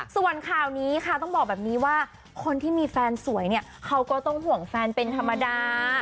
ส่วนข่าวนี้ค่ะต้องบอกแบบนี้ว่าคนที่มีแฟนสวยเนี่ยเขาก็ต้องห่วงแฟนเป็นธรรมดา